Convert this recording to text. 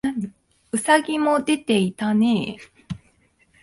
兎もでていたねえ